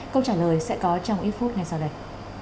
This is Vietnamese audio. câu trả lời sẽ có trong ít phút ngay sau đây